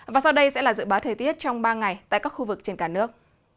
và sau đây sẽ là dự báo thời tiết trong ba ngày tại các khu vực trên cả nước